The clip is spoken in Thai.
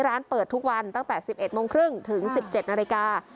ร้านเปิดทุกวันตั้งแต่สิบเอ็ดโมงครึ่งถึงสิบเจ็ดนาฬิกา